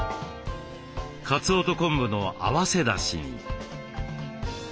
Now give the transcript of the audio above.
かつおと昆布の合わせだしに。